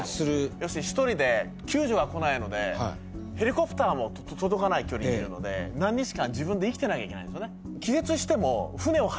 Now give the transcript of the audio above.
要するに１人で救助が来ないのでヘリコプターも届かない距離なので何日間自分で生きてなきゃいけないんですよね。